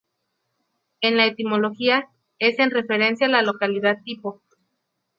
En la etimología, es en referencia a la localidad tipo.